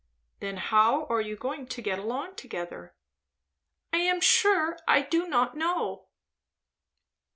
"Then how are you going to get along together?" "I am sure I do not know."